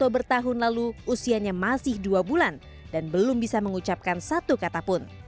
dua bulan dan belum bisa mengucapkan satu kata pun